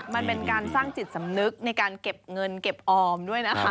มันเป็นการสร้างจิตสำนึกในการเก็บเงินเก็บออมด้วยนะคะ